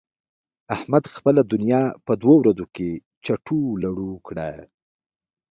احمد خپله دونيا په دوو ورځو کې چټو و لړو کړه.